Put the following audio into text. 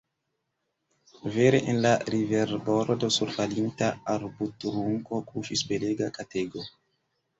Vere, en la riverbordo, sur falinta arbotrunko kuŝis belega katego.